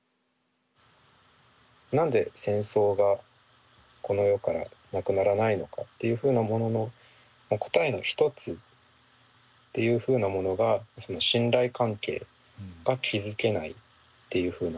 何で戦争がこの世からなくならないのかっていうふうなものの答えの一つっていうふうなものが信頼関係が築けないっていうふうな。